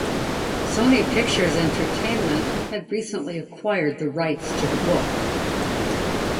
Sony Pictures Entertainment had recently acquired the rights to the book.